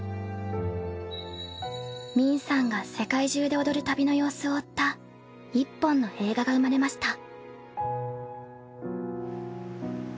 泯さんが世界中で踊る旅の様子を追った一本の映画が生まれました。